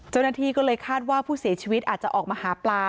เจ้าหน้าที่ก็เลยคาดว่าผู้เสียชีวิตอาจจะออกมาหาปลา